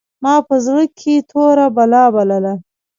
ما په زړه کښې توره بلا بلله.